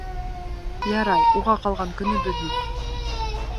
Ярай, уға ҡалған көнөбөҙ юҡ.